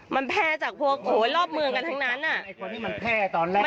มันแพร่จากผลผลออบเมืองกันทั้งนั้นอ่ะ